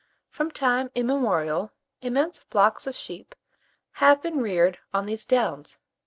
From time immemorial, immense flocks of sheep have been reared on these downs.